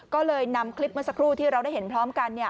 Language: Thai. ก็เลยนำคลิปเมื่อสักครู่ที่เราได้เห็นพร้อมกัน